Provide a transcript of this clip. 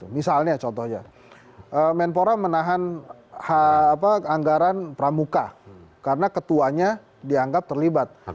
misalnya contohnya menpora menahan anggaran pramuka karena ketuanya dianggap terlibat